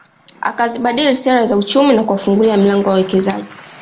Akazibadili sera za uchumi na kuwafungulia milango wawekezaji